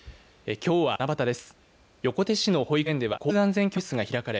きょうは七夕です。